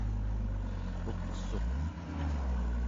uqsuq